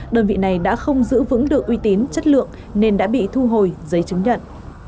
đơn vị này đã không giữ vững được uy tín chất lượng nên đã bị thu hồi giấy chứng nhận